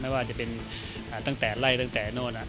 ว่าจะเป็นตั้งแต่ไล่ตั้งแต่โน่น